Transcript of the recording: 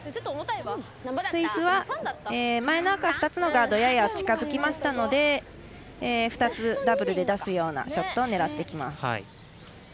スイスは、前の赤２つのガード、やや近づきましたので２つ、ダブルで出すようなショットを狙ってきます。